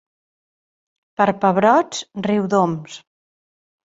Per pebrots, Riudoms.